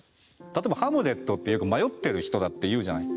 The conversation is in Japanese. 例えばハムレットってよく迷ってる人だっていうじゃない。